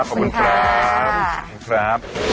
ขอบคุณครับ